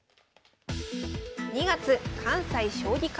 ２月関西将棋会館。